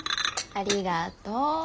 ありがとう。